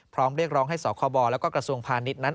พร้อมเรียกร้องให้สคบและกระทรวงพาณิชย์นั้น